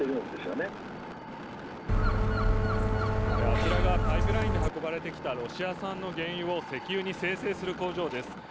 あちらがパイプラインで運ばれてきたロシア産の原油を石油に精製する工場です。